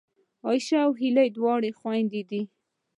عایشه او هیله دواړه خوېندې دي